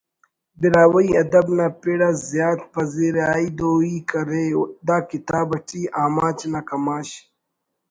براہوئی ادب نا پڑ آ زیات پذیرائی دوئی کرے دا کتاب اٹی آماچ نا کماش